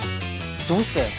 どうして？